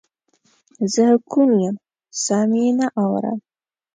زه کوڼ یم سم یې نه اورم